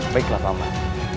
baiklah pak mas